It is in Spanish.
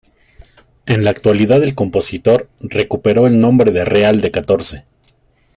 En la actualidad el compositor, recupero el nombre de real de catorce.